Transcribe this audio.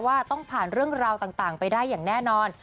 ว่าต้องผ่านเรื่องราวต่างไปได้อย่างแน่นอน